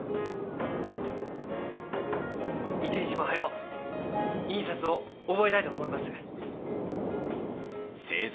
一日も早う印刷を覚えたいと思います。